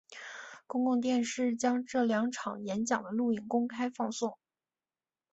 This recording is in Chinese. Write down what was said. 公共电视将这两场演讲的录影公开放送。